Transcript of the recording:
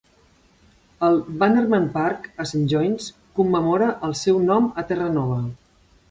El Bannerman Park a Saint John's commemora el seu nom a Terranova.